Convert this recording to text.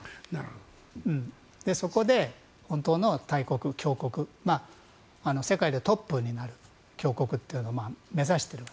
そこで、本当の大国、強国世界でトップになる強国というのを目指している。